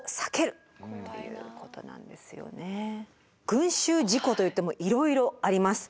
群集事故といってもいろいろあります。